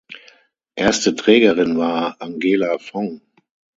Erste Trägerin war Angela Fong.